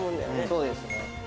そうですね。